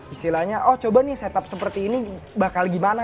istilahnya oh coba nih setup seperti ini bakal gimana